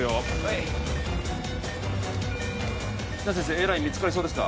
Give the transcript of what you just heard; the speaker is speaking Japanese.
Ａライン見つかりそうですか？